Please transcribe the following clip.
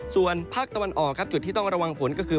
ส่วนภาคตะวันออกครับจุดที่ต้องระวังฝนก็คือ